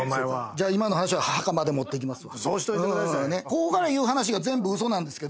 じゃあこの話墓まで持っていきます。